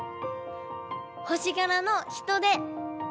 星がらのヒトデ。